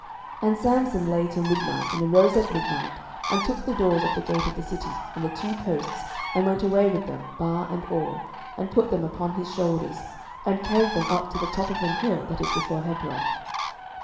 07:016:003 And Samson lay till midnight, and arose at midnight, and took the doors of the gate of the city, and the two posts, and went away with them, bar and all, and put them upon his shoulders, and carried them up to the top of an hill that is before Hebron.